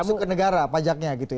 dan masuk ke negara pajaknya gitu ya